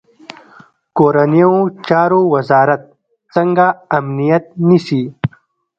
کورنیو چارو وزارت څنګه امنیت نیسي؟